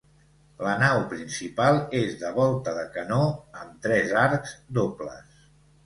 La nau principal és de volta de canó, amb tres arcs dobles.